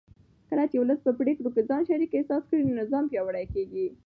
کله چې ولس په پرېکړو کې ځان شریک احساس کړي نو نظام پیاوړی کېږي